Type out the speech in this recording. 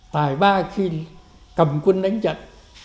tài ba khi cầm quân đánh trận